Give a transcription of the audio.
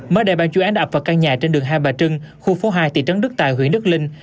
mới đây bàn chuyên án đã ập vào căn nhà trên đường hai bà trưng khu phố hai tỉ trấn đức tài huyện đức linh